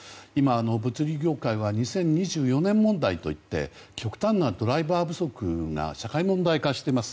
物流業界は２０２４年問題といって極端なドライバー不足が社会問題化しています。